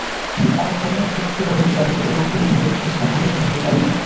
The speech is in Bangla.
আমরা ঘটনার সুষ্ঠু তদন্ত দাবি করে দোষী ব্যক্তিদের দৃষ্টান্তমূলক শাস্তির দাবি জানাচ্ছি।